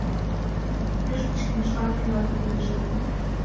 Пеш пычкемышлан кӧра тудым ыш нал.